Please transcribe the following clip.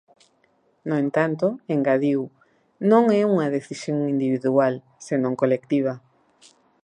No entanto, engadiu, "non é unha decisión individual, senón colectiva".